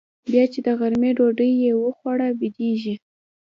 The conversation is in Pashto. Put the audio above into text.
بيا چې د غرمې ډوډۍ يې وخوړه بيدېږي.